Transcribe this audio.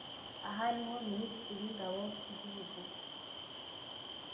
Aha niho Minisitiri w’Ingabo z’Igihugu